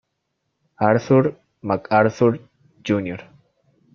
Arthur MacArthur, Jr.